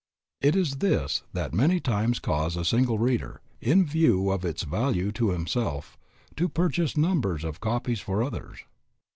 It is this that many times causes a single reader, in view of its value to himself, to purchase numbers of copies for others.